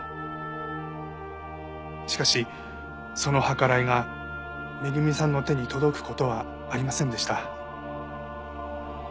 しかしその計らいが恵さんの手に届く事はありませんでした。